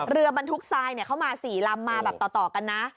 เรือบรรทุกไซด์เขามา๔ลำมาต่อกันนะ